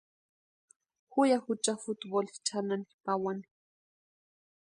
Ju ya jucha futboli chʼanani pawani.